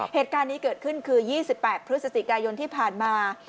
เหตุการณ์นี้เกิดขึ้นคือ๒๘พฤศจิกายนที่ผ่านมา